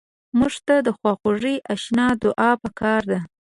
مړه ته د خواخوږۍ اشنا دعا پکار ده